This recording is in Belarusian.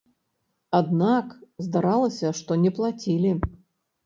Аднак, здаралася, што не плацілі.